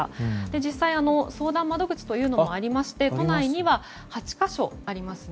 実際、相談窓口というのもありまして都内には８か所ありますね。